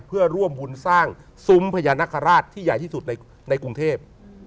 เพื่อร่วมบุญสร้างซุ้มพญานาคาราชที่ใหญ่ที่สุดในกรุงเทพ